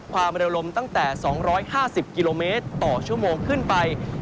ความเร็วลมตั้งแต่๒๕๐กิโลเมตรต่อชั่วโมงขึ้นไป